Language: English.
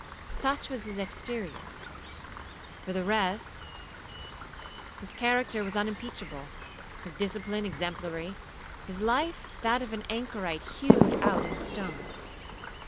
Such was his exterior:—for the rest, his character was unimpeachable, his discipline exemplary, his life that of an Anchorite hewed out in stone.